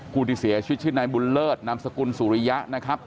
ที่เสียชีวิตชื่อนายบุญเลิศนามสกุลสุริยะนะครับ